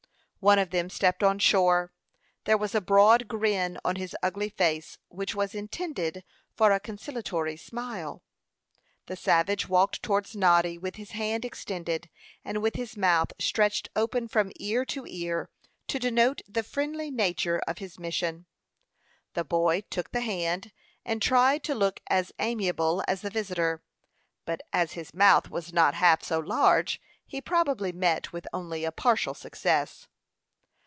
One of them stepped on shore. There was a broad grin on his ugly face, which was intended for a conciliatory smile. The savage walked towards Noddy with his hand extended, and with his mouth stretched open from ear to ear, to denote the friendly nature of his mission. The boy took the hand, and tried to look as amiable as the visitor; but as his mouth was not half so large, he probably met with only a partial success.